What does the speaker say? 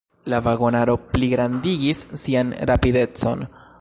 La vagonaro pligrandigis sian rapidecon.